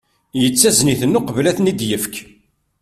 Yettazen-iten uqbel ad ten-id-yefk.